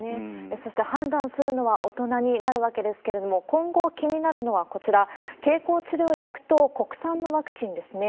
そして判断するのは大人になるわけですけれども、今後気になるのはこちら、経口治療薬と国産のワクチンですね。